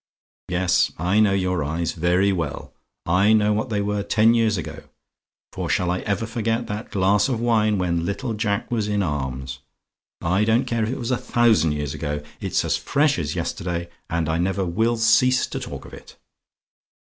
Yes; I know your eyes, very well. I know what they were ten years ago; for shall I ever forget that glass of wine when little Jack was in arms? I don't care if it was a thousand years ago, it's as fresh as yesterday, and I never will cease to talk of it.